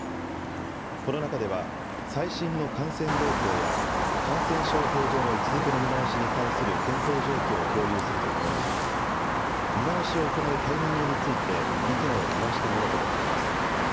この中では、最新の感染動向や、感染症法上の位置づけの見直しに関する検討状況を共有するとともに、見直しを行うタイミングについて、意見を交わしたものと見られます。